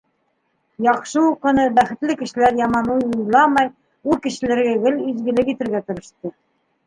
Яҡшы уҡыны, бәхетле кешеләр яман уй уйламай - ул кешеләргә гел изгелек итергә тырышты.